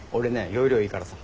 要領いいからさ。